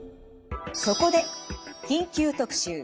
そこで緊急特集。